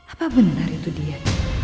apa benar itu dia